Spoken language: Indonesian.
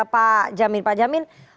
pak jamin pak jamin